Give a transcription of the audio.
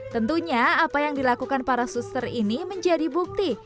tentunya apa yang dilakukan para suster ini menjadi bukti